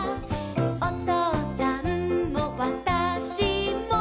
「おとうさんもわたしも」